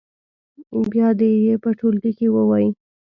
بیا دې یې په ټولګي کې ووایي.